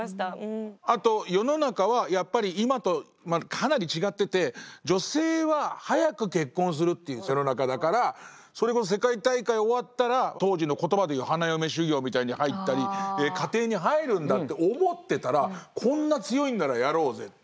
あと世の中はやっぱり今とかなり違ってて女性は早く結婚するっていう世の中だからそれこそ世界大会終わったら当時の言葉でいう花嫁修業みたいのに入ったり家庭に入るんだって思ってたらこんな強いんならやろうぜってね。